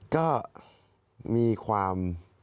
ก็มีความ